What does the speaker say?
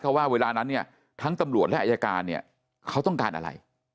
เพราะว่าเวลานั้นเนี่ยทั้งตำรวจและอายการเนี่ยเขาต้องการอะไร